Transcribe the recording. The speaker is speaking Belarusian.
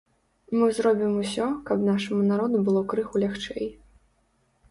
Мы зробім усё, каб нашаму народу было крыху лягчэй.